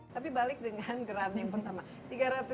tapi balik dengan grand yang pertama